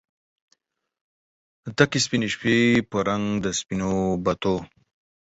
تکې سپینې شپې په رنګ د سپینو بتو